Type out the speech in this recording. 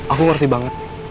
aku ngerti banget